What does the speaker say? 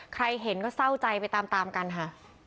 ใครเห็นก็เศร้าใจไปตามตามกันค่ะ